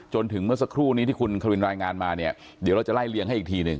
จนถึงเมื่อสักครู่นี้ที่คุณควินรายงานมาเนี่ยเดี๋ยวเราจะไล่เลี่ยงให้อีกทีหนึ่ง